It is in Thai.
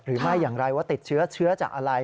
หรือไม่อย่างไรว่าติดเชื้อเชื้อจากอะไร